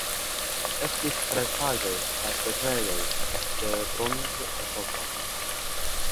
Estis restaĵoj kaj setlejoj de Bronzepoko.